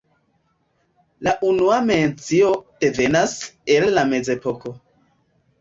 La unua mencio devenas el la mezepoko.